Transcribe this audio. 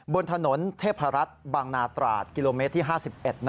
บนถนนเทพรัฐบางนาตราดกิโลเมตรที่๕๑